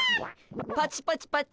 パチパチパチ。